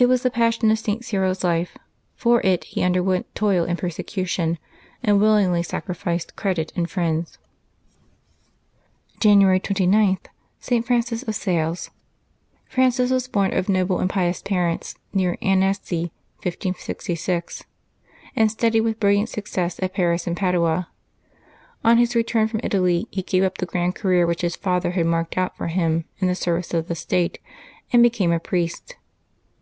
It was the passion of St. Cyril's life; for it he underwent toil and persecution, and willingly sacrificed credit and friends. 52 LIVES OF THE SAINTS [January 29 January 29.— ST. FRANCIS OF SALES. fiRANCIS was born of noble and pious parents, near Annecy, 1566, and studied with brilliant success at Paris and Padua. On bis return from Italy he gave up the grand career which his father had marked out for him in the service of the state, and became a priest.